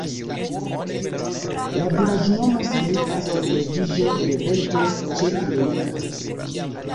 La vilaĝnomo signifas: leviĝo de vento ĉe Leitha.